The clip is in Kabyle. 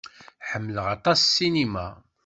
Ḥemmleɣ aṭas ssinima.